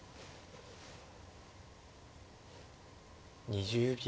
２０秒。